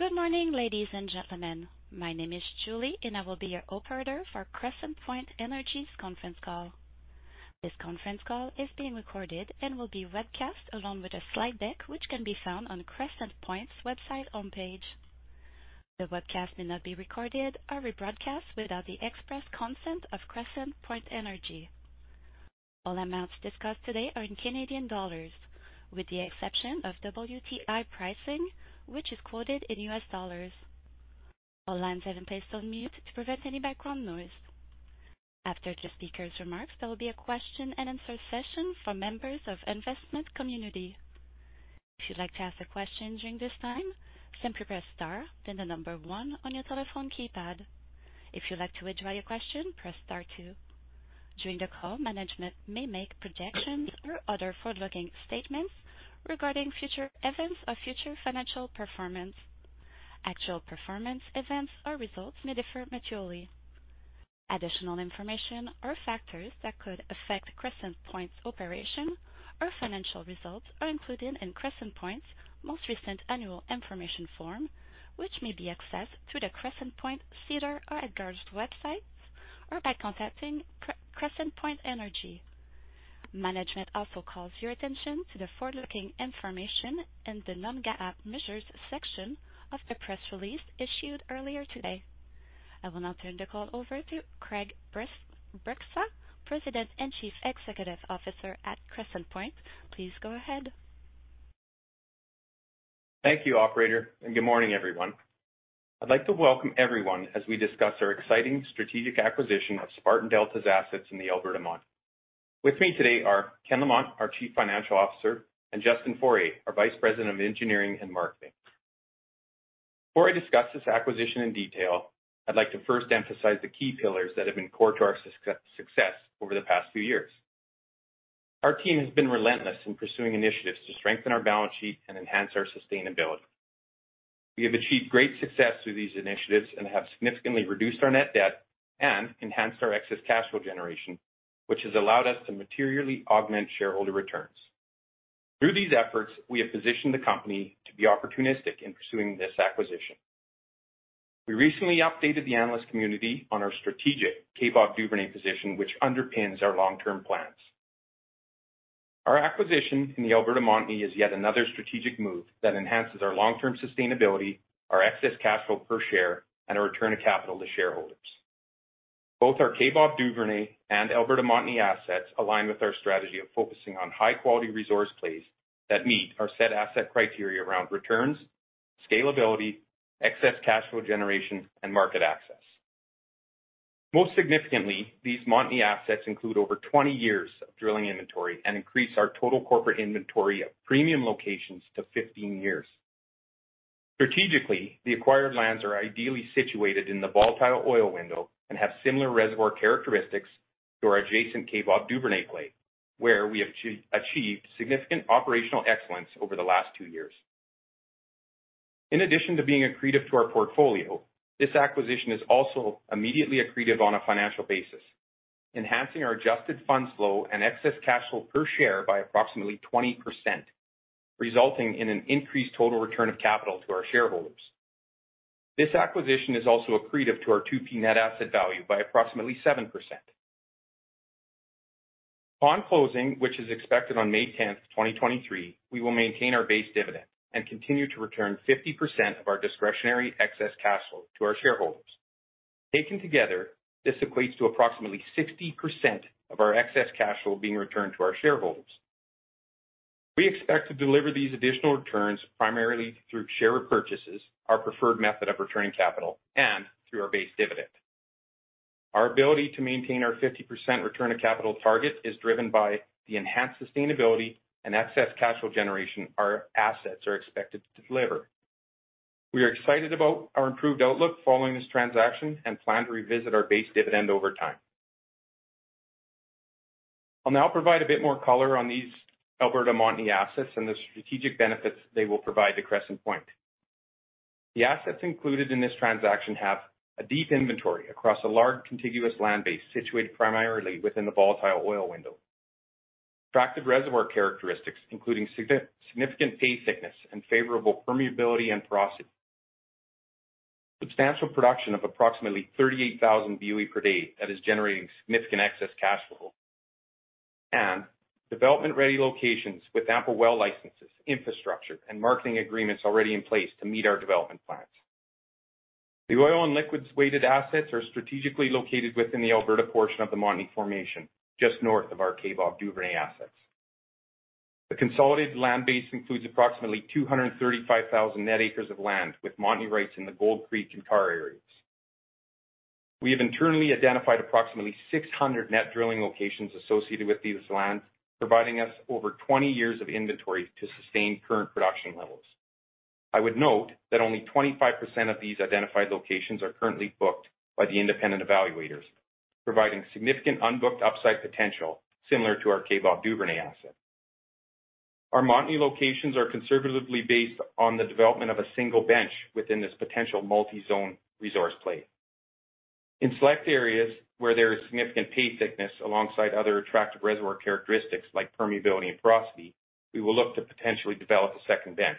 Good morning, ladies and gentlemen. My name is Julie, and I will be your operator for Crescent Point Energy's Conference Call. This conference call is being recorded and will be webcast along with a slide deck which can be found on Crescent Point's website homepage. The webcast may not be recorded or re-broadcast without the express consent of Crescent Point Energy. All amounts discussed today are in Canadian dollars, with the exception of WTI pricing, which is quoted in U.S. Dollars. All lines have been placed on mute to prevent any background noise. After the speakers' remarks, there will be a question-and-answer session for members of investment community. If you'd like to ask a question during this time, simply press star, then the number one on your telephone keypad. If you'd like to withdraw your question, press star two. During the call, management may make projections or other forward-looking statements regarding future events or future financial performance. Actual performance events or results may differ materially. Additional information or factors that could affect Crescent Point's operation or financial results are included in Crescent Point's most recent Annual Information Form, which may be accessed through the Crescent Point SEDAR or EDGAR websites or by contacting Crescent Point Energy. Management also calls your attention to the forward-looking information in the Non-GAAP measures section of the press release issued earlier today. I will now turn the call over to Craig Bryksa, President and Chief Executive Officer at Crescent Point. Please go ahead. Thank you, operator. Good morning, everyone. I'd like to welcome everyone as we discuss our exciting strategic acquisition of Spartan Delta's assets in the Alberta Montney. With me today are Ken Lamont, our Chief Financial Officer, and Justin Foraie, our Vice President of Engineering and Marketing. Before I discuss this acquisition in detail, I'd like to first emphasize the key pillars that have been core to our success over the past few years. Our team has been relentless in pursuing initiatives to strengthen our balance sheet and enhance our sustainability. We have achieved great success through these initiatives and have significantly reduced our net debt and enhanced our excess cash flow generation, which has allowed us to materially augment shareholder returns. Through these efforts, we have positioned the company to be opportunistic in pursuing this acquisition. We recently updated the analyst community on our strategic Kaybob Duvernay position, which underpins our long-term plans. Our acquisition in the Alberta Montney is yet another strategic move that enhances our long-term sustainability, our excess cash flow per share, and our return of capital to shareholders. Both our Kaybob Duvernay and Alberta Montney assets align with our strategy of focusing on high-quality resource plays that meet our set asset criteria around returns, scalability, excess cash flow generation, and market access. Most significantly, these Montney assets include over 20 years of drilling inventory and increase our total corporate inventory of premium locations to 15 years. Strategically, the acquired lands are ideally situated in the volatile oil window and have similar reservoir characteristics to our adjacent Kaybob Duvernay play, where we have achieved significant operational excellence over the last two years. In addition to being accretive to our portfolio, this acquisition is also immediately accretive on a financial basis, enhancing our adjusted funds flow and excess cash-flow per share by approximately 20%, resulting in an increased total return of capital to our shareholders. This acquisition is also accretive to our 2P net asset value by approximately 7%. Upon closing, which is expected on May 10, 2023, we will maintain our base dividend and continue to return 50% of our discretionary excess cash flow to our shareholders. Taken together, this equates to approximately 60% of our excess cash flow being returned to our shareholders. We expect to deliver these additional returns primarily through share repurchases, our preferred method of returning capital, and through our base dividend. Our ability to maintain our 50% return of capital target is driven by the enhanced sustainability and excess cash flow generation our assets are expected to deliver. We are excited about our improved outlook following this transaction and plan to revisit our base dividend over time. I'll now provide a bit more color on these Alberta Montney assets and the strategic benefits they will provide to Crescent Point. The assets included in this transaction have a deep inventory across a large contiguous land base situated primarily within the volatile oil window. Attracted reservoir characteristics, including significant pay thickness and favorable permeability and porosity. Substantial production of approximately 38,000 BOE per day that is generating significant excess cash flow. Development-ready locations with ample well licenses, infrastructure, and marketing agreements already in place to meet our development plans. The oil and liquids-weighted assets are strategically located within the Alberta portion of the Montney formation, just north of our Kaybob Duvernay assets. The consolidated land base includes approximately 235,000 net acres of land with Montney rights in the Gold Creek and Carr areas. We have internally identified approximately 600 net drilling locations associated with these lands, providing us over 20 years of inventory to sustain current production levels. I would note that only 25% of these identified locations are currently booked by the independent evaluators, providing significant unbooked upside potential similar to our Kaybob Duvernay asset. Our Montney locations are conservatively based on the development of a single bench within this potential multi-zone resource play. In select areas where there is significant pay thickness alongside other attractive reservoir characteristics like permeability and porosity, we will look to potentially develop a second bench.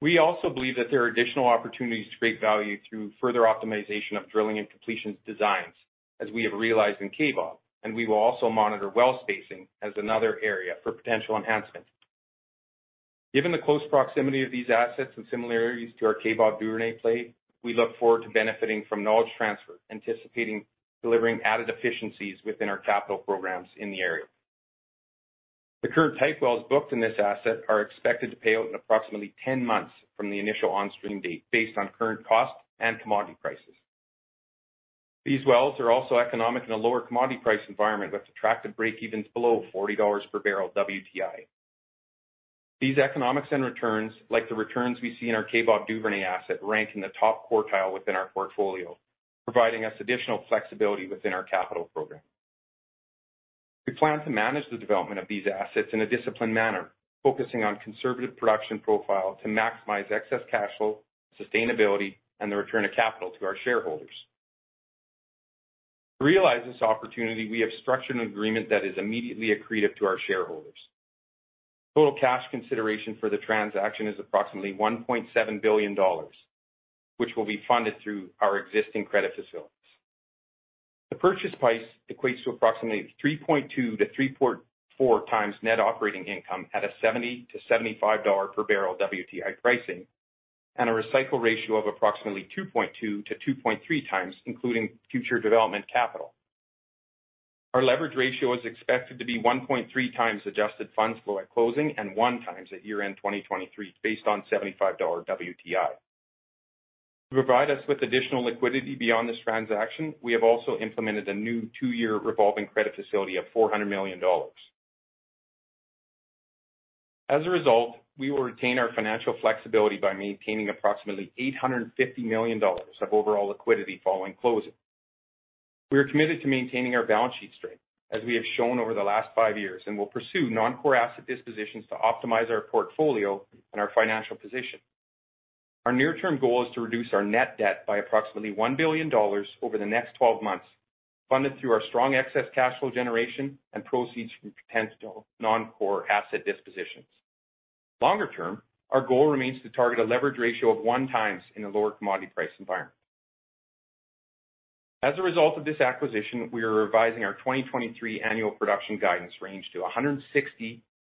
We also believe that there are additional opportunities to create value through further optimization of drilling and completions designs, as we have realized in Kaybob. We will also monitor well spacing as another area for potential enhancement. Given the close proximity of these assets and similarities to our Kaybob Duvernay play, we look forward to benefiting from knowledge transfer, anticipating delivering added efficiencies within our capital programs in the area. The current type wells booked in this asset are expected to pay out in approximately 10 months from the initial onstream date based on current cost and commodity prices. These wells are also economic in a lower commodity price environment, with attractive break-evens below $40 per barrel WTI. These economics and returns, like the returns we see in our Kaybob Duvernay asset, rank in the top quartile within our portfolio, providing us additional flexibility within our capital program. We plan to manage the development of these assets in a disciplined manner, focusing on conservative production profile to maximize excess cash flow, sustainability, and the return of capital to our shareholders. To realize this opportunity, we have structured an agreement that is immediately accretive to our shareholders. Total cash consideration for the transaction is approximately 1.7 billion dollars, which will be funded through our existing credit facilities. The purchase price equates to approximately 3.2-3.4 times net operating income at a $70-$75 per barrel WTI pricing and a recycle ratio of approximately 2.2-2.3 times, including future development capital. Our leverage ratio is expected to be 1.3 times adjusted funds flow at closing and 1 times at year-end 2023, based on $75 WTI. To provide us with additional liquidity beyond this transaction, we have also implemented a new two-year revolving credit facility of 400 million dollars. As a result, we will retain our financial flexibility by maintaining approximately 850 million dollars of overall liquidity following closing. We are committed to maintaining our balance sheet strength, as we have shown over the last five years, and will pursue non-core asset dispositions to optimize our portfolio and our financial position. Our near-term goal is to reduce our net debt by approximately 1 billion dollars over the next 12 months, funded through our strong excess cash flow generation and proceeds from potential non-core asset dispositions. Longer term, our goal remains to target a leverage ratio of one times in a lower commodity price-environment. As a result of this acquisition, we are revising our 2023 annual production guidance range to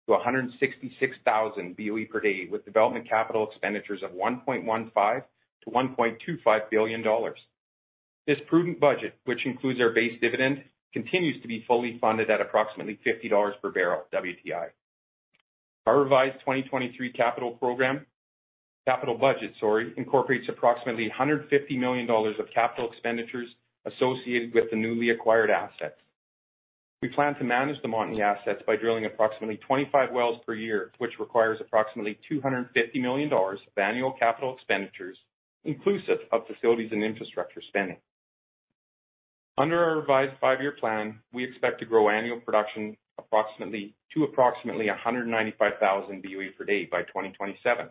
160,000-166,000 BOE per day, with development capital expenditures of 1.15 billion-1.25 billion dollars. This prudent budget, which includes our base dividend, continues to be fully funded at approximately $50 per barrel WTI. Our revised 2023 capital budget incorporates approximately 150 million dollars of capital expenditures associated with the newly acquired assets. We plan to manage the Montney assets by drilling approximately 25 wells per year, which requires approximately 250 million dollars of annual capital expenditures, inclusive of facilities and infrastructure spending. Under our revised five-year plan, we expect to grow annual production to approximately 195,000 BOE per day by 2027.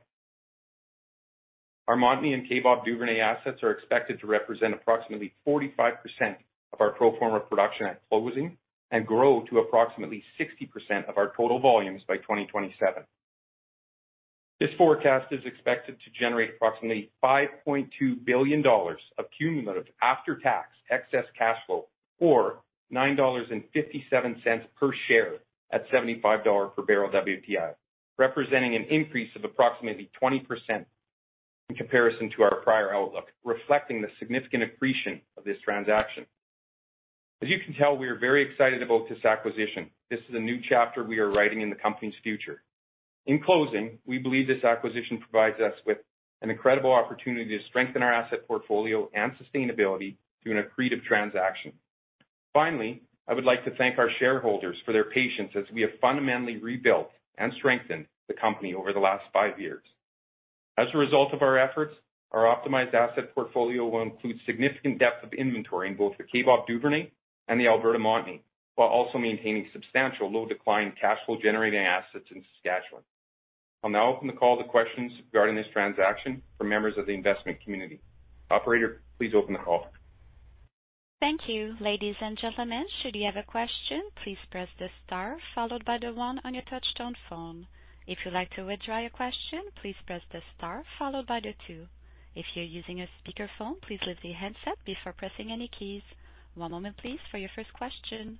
Our Montney and Kaybob Duvernay assets are expected to represent approximately 45% of our pro forma production at closing and grow to approximately 60% of our total volumes by 2027. This forecast is expected to generate approximately 5.2 billion dollars of cumulative after-tax excess cash flow or 9.57 dollars per share at $75 per barrel WTI, representing an increase of approximately 20% in comparison to our prior outlook, reflecting the significant accretion of this transaction. As you can tell, we are very excited about this acquisition. This is a new chapter we are writing in the company's future. In closing, we believe this acquisition provides us with an incredible opportunity to strengthen our asset portfolio and sustainability through an accretive transaction. I would like to thank our shareholders for their patience as we have fundamentally rebuilt and strengthened the company over the last five years. Our optimized asset portfolio will include significant depth of inventory in both the Kaybob Duvernay and the Alberta Montney, while also maintaining substantial low decline cash flow-generating assets in Saskatchewan. I'll now open the call to questions regarding this transaction for members of the investment community. Operator, please open the call. Thank you. Ladies and gentlemen, should you have a question, please press the star followed by the one on your touchtone phone. If you'd like to withdraw your question, please press the star followed by the two. If you're using a speakerphone, please lift the handset before pressing any keys. One moment, please, for your first question.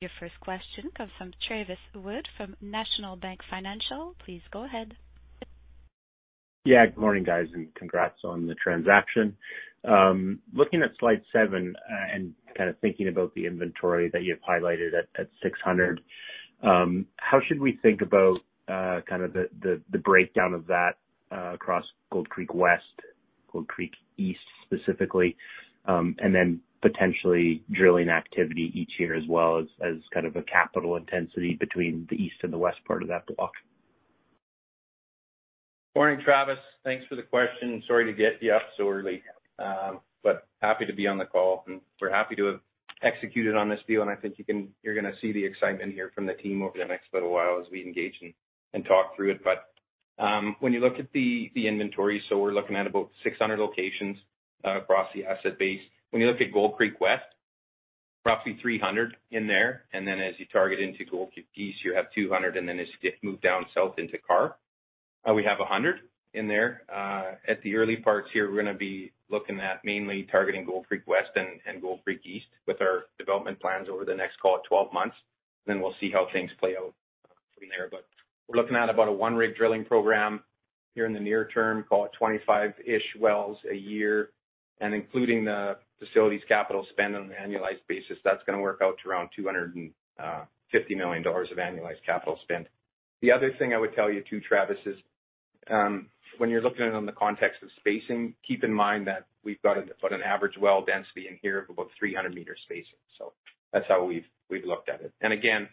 Your first question comes from Travis Wood from National Bank Financial. Please go ahead. Good morning, guys, and congrats on the transaction. Looking at slide seven, and kind of thinking about the inventory that you have highlighted at 600, how should we think about kind of the breakdown of that across Gold Creek West, Gold Creek East specifically, and then potentially drilling activity each year as well as kind of a capital intensity between the east and the west part of that block? Morning, Travis. Thanks for the question. Sorry to get you up so early. Happy to be on the call, and we're happy to have executed on this deal, and I think you're gonna see the excitement here from the team over the next little while as we engage and talk through it. When you look at the inventory, so we're looking at about 600 locations, across the asset base. When you look at Gold Creek West, roughly 300 in there. As you target into Gold Creek East, you have 200 and then as you move down south into Carr, we have 100 in there. At the early parts here, we're gonna be looking at mainly targeting Gold Creek West and Gold Creek East with our development plans over the next, call it 12 months. We'll see how things play out from there. We're looking at about a 1-rig drilling program here in the near term, call it 25-ish wells a year. Including the facilities capital spend on an annualized basis, that's gonna work out to around 250 million dollars of annualized capital spend. The other thing I would tell you too, Travis Wood, is when you're looking at it on the context of spacing, keep in mind that we've got about an average well density in here of about 300 meter spacing. That's how we've looked at it. Again,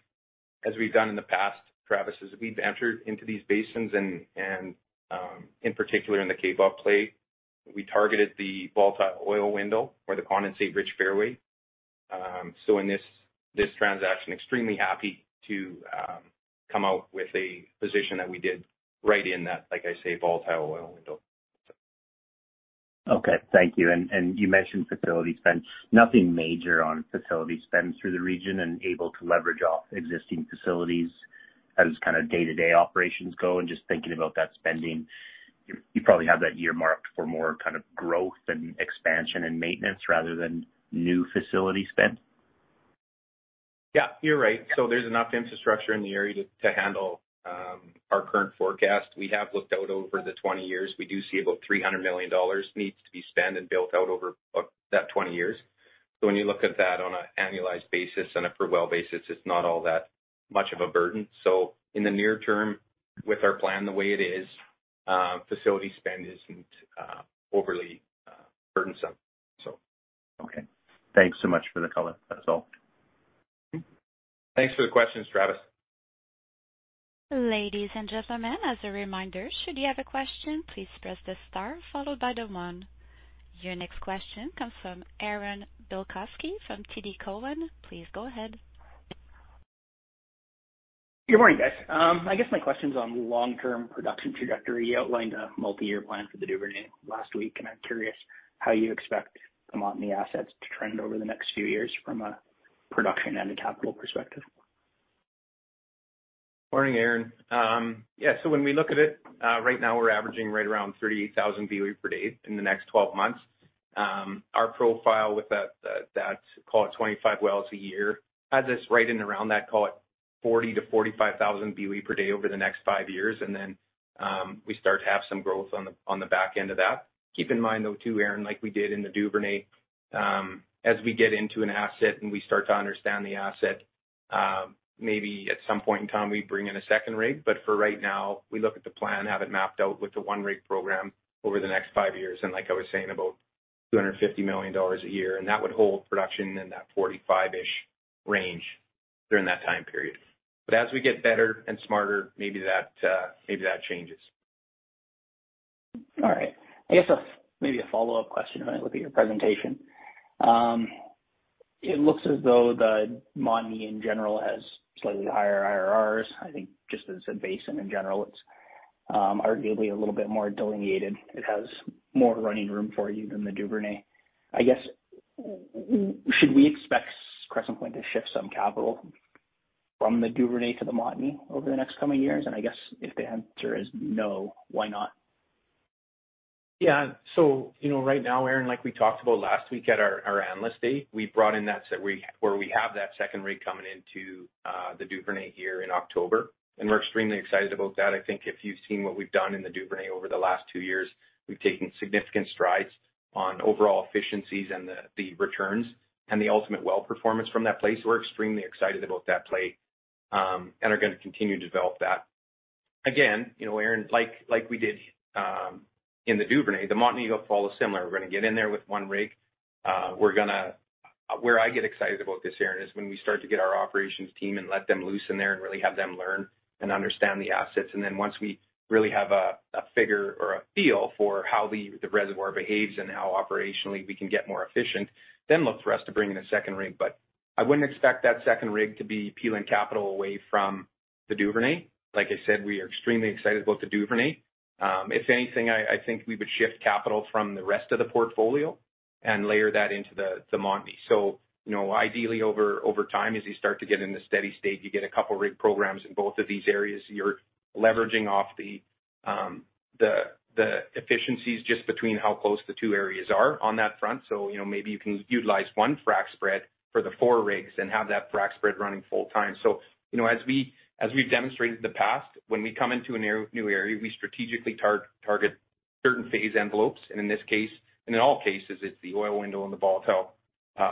as we've done in the past, Travis Wood, is we've entered into these basins and in particular in the Kaybob play, we targeted the volatile oil window or the condensate rich fairway. In this transaction, extremely happy to come out with a position that we did right in that, like I say, volatile oil window. Okay. Thank you. You mentioned facility spend. Nothing major on facility spend through the region and able to leverage off existing facilities as kind of day-to-day operations go. Just thinking about that spending, you probably have that year marked for more kind of growth and expansion and maintenance rather than new facility spend. Yeah, you're right. There's enough infrastructure in the area to handle our current forecast. We have looked out over the 20 years. We do see about 300 million dollars needs to be spent and built out over about that 20 years. When you look at that on an annualized basis and a per well basis, it's not all that much of a burden. In the near term with our plan the way it is, facility spend isn't overly burden-some. Okay. Thanks so much for the color. That's all. Thanks for the questions, Travis. Ladies and gentlemen, as a reminder, should you have a question, please press the star followed by the one. Your next question comes from Aaron Bilkoski from TD Cowen. Please go ahead. Good morning, guys. I guess my question's on long-term production trajectory. You outlined a multi-year plan for the Duvernay last week. I'm curious how you expect the Montney assets to trend over the next few years from a production and a capital perspective? Morning, Aaron. When we look at it, right now we're averaging right around 38,000 BOE per day in the next 12 months. Our profile with that's call it 25 wells a year, has us right in and around that, call it 40,000-45,000 BOE per day over the next five years. We start to have some growth on the back end of that. Keep in mind though, too, Aaron, like we did in the Duvernay, as we get into an asset and we start to understand the asset, maybe at some point in time, we bring in a second rig. For right now, we look at the plan, have it mapped out with the one rig program over the next five years. Like I was saying, about 250 million dollars a year, and that would hold production in that 45-ish range during that time period. As we get better and smarter, maybe that, maybe that changes. All right. I guess maybe a follow-up question when I look at your presentation. It looks as though the Montney in general has slightly higher IRRs. I think just as a basin in general, it's arguably a little bit more delineated. It has more running room for you than the Duvernay. I guess, should we expect Crescent Point to shift some capital from the Duvernay to the Montney over the next coming years? I guess if the answer is no, why not? You know, right now, Aaron, like we talked about last week at our analyst date, we brought in that set where we have that second rig coming into the Duvernay here in October, and we're extremely excited about that. I think if you've seen what we've done in the Duvernay over the last two years, we've taken significant strides on overall efficiencies and the returns and the ultimate well performance from that place. We're extremely excited about that play and are gonna continue to develop that. Again, you know, Aaron, like we did in the Duvernay, the Montney will follow similar. We're gonna get in there with one rig. We're gonna. Where I get excited about this, Aaron, is when we start to get our operations team and let them loose in there and really have them learn and understand the assets. Once we really have a figure or a feel for how the reservoir behaves and how operationally we can get more efficient, then look for us to bring in a second rig, but I wouldn't expect that second rig to be peeling capital away from the Duvernay. Like I said, we are extremely excited about the Duvernay. If anything, I think we would shift capital from the rest of the portfolio and layer that into the Montney. You know, ideally over time, as you start to get into steady state, you get a couple rig programs in both of these areas. You're leveraging off the efficiencies just between how close the two areas are on that front. You know, maybe you can utilize 1 frac spread for the 4 rigs and have that frac spread running full time. You know, as we've demonstrated in the past, when we come into a new area, we strategically target certain phase envelopes. In this case, and in all cases, it's the oil window and the volatile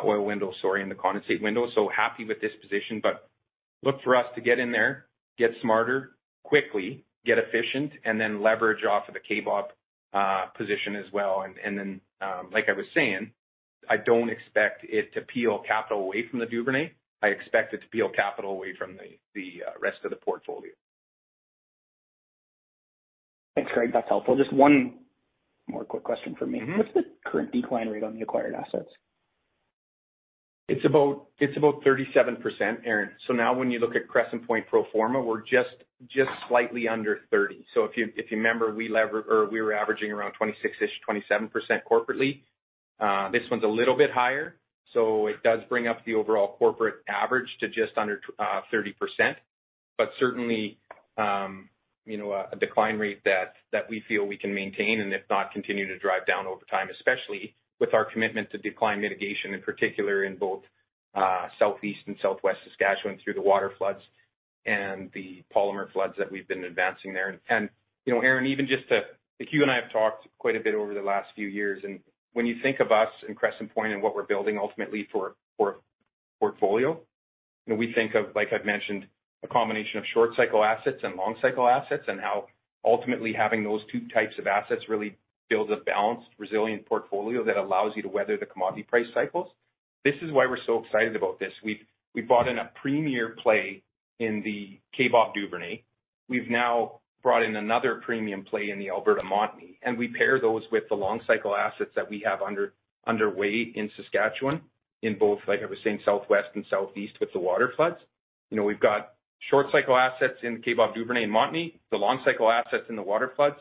oil window and the condensate window. Happy with this position, but look for us to get in there, get smarter quickly, get efficient, and then leverage off of the Kaybob position as well. Like I was saying, I don't expect it to peel capital away from the Duvernay. I expect it to peel capital away from the rest of the portfolio. Thanks, Craig. That's helpful. Just one more quick question for me. Mm-hmm. What's the current decline rate on the acquired assets? It's about 37%, Aaron. Now when you look at Crescent Point pro forma, we're just slightly under 30%. If you remember, we were averaging around 26%-27% corporately. This one's a little bit higher, so it does bring up the overall corporate average to just under 30%. Certainly, you know, a decline rate that we feel we can maintain and if not, continue to drive down over time, especially with our commitment to decline mitigation, in particular in both southeast and southwest Saskatchewan through the waterfloods and the polymer floods that we've been advancing there. You know, Aaron, even just to... Like, you and I have talked quite a bit over the last few years. When you think of us and Crescent Point and what we're building ultimately for portfolio, you know, we think of, like I've mentioned, a combination of short cycle assets and long cycle assets and how ultimately having those two types of assets really builds a balanced, resilient portfolio that allows you to weather the commodity price cycles. This is why we're so excited about this. We've bought in a premier play in the Kaybob Duvernay. We've now brought in another premium play in the Alberta Montney. We pair those with the long cycle assets that we have underway in Saskatchewan in both, like I was saying, southwest and southeast with the waterfloods. You know, we've got short cycle assets in the Kaybob Duvernay and Montney, the long cycle assets in the waterfloods.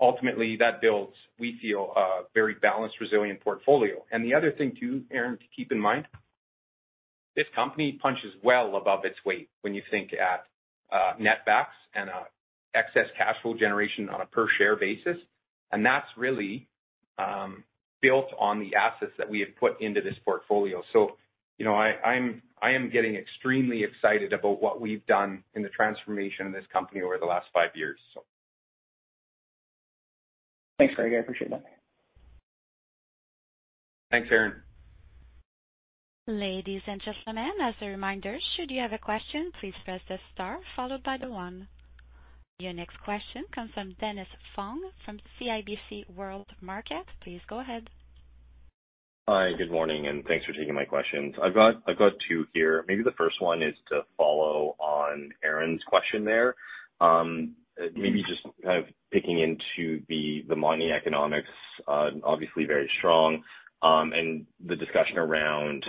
Ultimately, that builds, we feel, a very balanced, resilient portfolio. The other thing, too, Aaron, to keep in mind, this company punches well above its weight when you think at Netbacks and excess cash flow generation on a per share basis. That's really built on the assets that we have put into this portfolio. You know, I am getting extremely excited about what we've done in the transformation of this company over the last five years. Thanks, Craig. I appreciate that. Thanks, Aaron. Ladies and gentlemen, as a reminder, should you have a question, please press the star followed by the one. Your next question comes from Dennis Fong from CIBC World Markets. Please go ahead. Hi, good morning, and thanks for taking my questions. I've got two here. Maybe the first one is to follow on Aaron's question there. Mm-hmm. Maybe just kind of digging into the Montney economics, obviously very strong, and the discussion around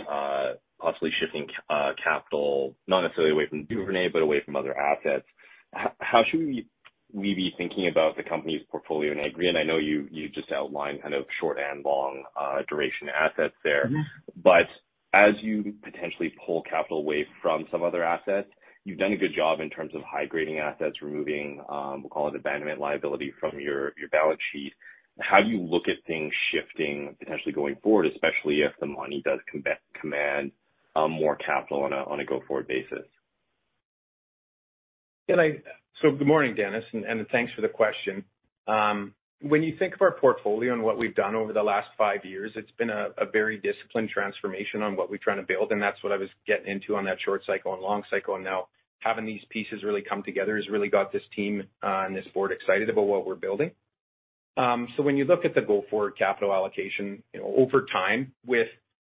possibly shifting capital, not necessarily away from Duvernay, but away from other assets. How should we be thinking about the company's portfolio? I agree, and I know you just outlined kind of short and long duration assets there. Mm-hmm. As you potentially pull capital away from some other assets, you've done a good job in terms of high grading assets, removing, we'll call it abandonment liability from your balance sheet. How do you look at things shifting potentially going forward, especially if the money does command more capital on a go-forward basis? Yeah, I... good morning, Dennis, and thanks for the question. When you think of our portfolio and what we've done over the last 5 years, it's been a very disciplined transformation on what we're trying to build, and that's what I was getting into on that short cycle and long cycle. Now having these pieces really come together has really got this team and this board excited about what we're building. When you look at the go forward capital allocation, you know, over time, with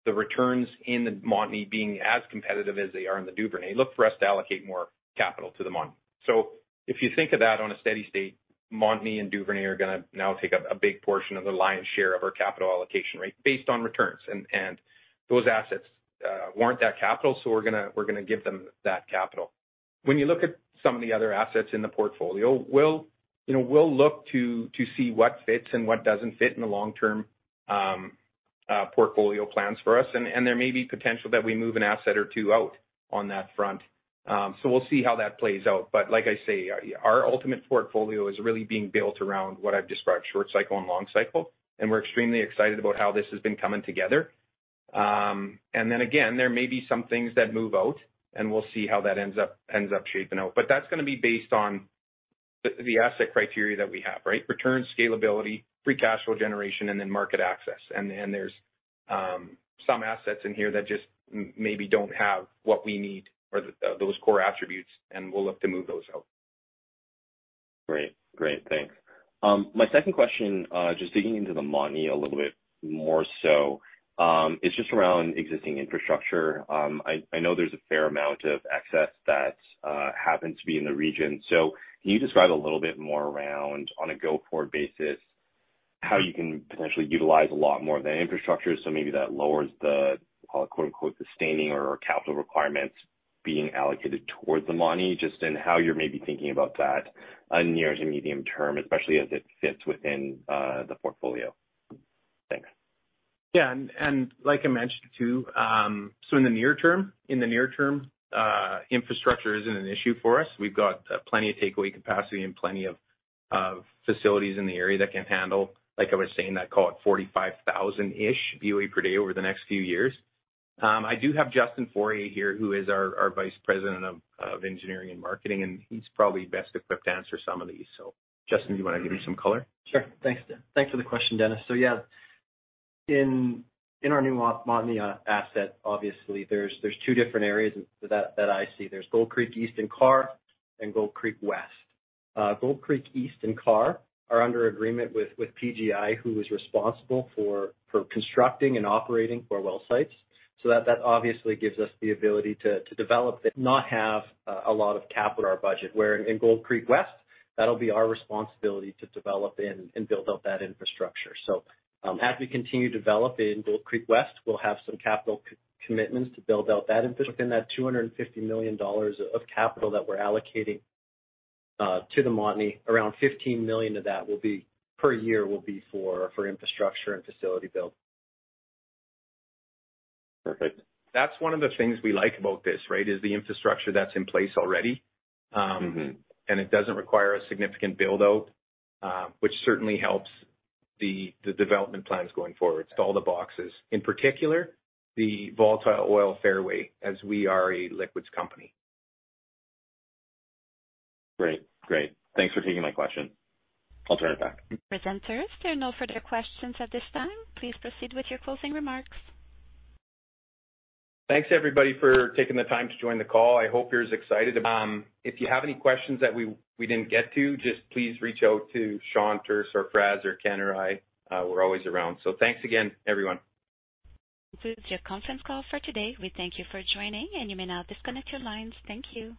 the returns in the Montney being as competitive as they are in the Duvernay, look for us to allocate more capital to the Montney. If you think of that on a steady state, Montney and Duvernay are gonna now take a big portion of the lion's share of our capital allocation rate based on returns. Those assets warrant that capital, so we're gonna give them that capital. When you look at some of the other assets in the portfolio, you know, we'll look to see what fits and what doesn't fit in the long term portfolio plans for us. There may be potential that we move an asset or two out on that front. We'll see how that plays out. Like I say, our ultimate portfolio is really being built around what I've described, short cycle and long cycle, and we're extremely excited about how this has been coming together. Again, there may be some things that move out, and we'll see how that ends up shaping out. That's gonna be based on the asset criteria that we have, right? Return scalability, free cash flow generation, and then market access. There's some assets in here that just maybe don't have what we need or those core attributes, and we'll look to move those out. Great. Great. Thanks. My second question, just digging into the Montney a little bit more so, is just around existing infrastructure. I know there's a fair amount of excess that happens to be in the region. Can you describe a little bit more around, on a go-forward basis, how you can potentially utilize a lot more of that infrastructure? Maybe that lowers the quote-unquote, "sustaining or capital requirements" being allocated towards the Montney, just in how you're maybe thinking about that on near to medium term, especially as it fits within the portfolio. Thanks. Like I mentioned, too, in the near term, infrastructure isn't an issue for us. We've got plenty of takeaway capacity and plenty of facilities in the area that can handle, like I was saying, that call it 45,000-ish BOE per day over the next few years. I do have Justin Foraie here, who is our Vice President of engineering and marketing, and he's probably best equipped to answer some of these. Justin, do you wanna give you some color? Sure. Thanks. Thanks for the question, Dennis. Yeah, in our new Montney asset, obviously there's two different areas that I see. There's Gold Creek East and Carr and Gold Creek West. Gold Creek East and Carr are under agreement with PGI, who is responsible for constructing and operating four well sites. That obviously gives us the ability to develop but not have a lot of capital in our budget, where in Gold Creek West, that'll be our responsibility to develop and build out that infrastructure. As we continue developing Gold Creek West, we'll have some capital commitments to build out that infrastructure. Within that 250 million dollars of capital that we're allocating to the Montney, around 15 million of that will be per year, will be for infrastructure and facility build. Perfect. That's one of the things we like about this, right? Is the infrastructure that's in place already. Mm-hmm. It doesn't require a significant buildout, which certainly helps the development plans going forward. Tick all the boxes, in particular the volatile oil fairway, as we are a liquids company. Great. Great. Thanks for taking my question. I'll turn it back. Presenters, there are no further questions at this time. Please proceed with your closing remarks. Thanks everybody for taking the time to join the call. I hope you're as excited. If you have any questions that we didn't get to, just please reach out to Sean or Sarfraz or Ken or I. We're always around. Thanks again, everyone. This concludes your conference call for today. We thank you for joining, and you may now disconnect your lines. Thank you.